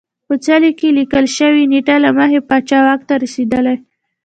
په څلي کې لیکل شوې نېټه له مخې پاچا واک ته رسېدلی